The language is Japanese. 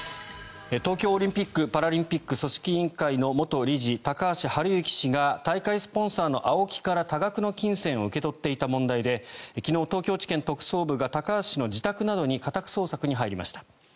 東京オリンピック・パラリンピック組織委員会の元理事高橋治之氏が大会スポンサーのＡＯＫＩから多額の金銭を受け取っていた問題で昨日、東京地検特捜部が高橋氏の自宅などに家宅捜索に入りました。